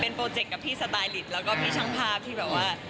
โปรเจกต์กับพี่สไตลิตแล้วก็พี่ช่างภาพที่แบบว่า